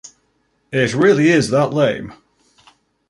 It really is that lame.